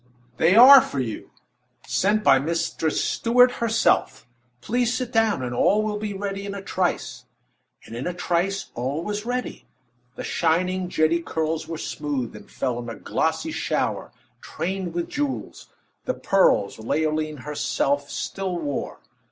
"They are for you sent by Mistress Stuart, herself. Please sit down, and all will be ready in a trice." And in a trice all was ready. The shining, jetty curls were smoothed, and fell in a glossy shower, trained with jewels the pearls Leoline herself still wore.